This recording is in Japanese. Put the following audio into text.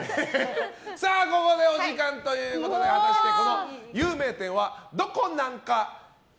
ここでお時間ということで果たしてこの有名店はドコナンなんか？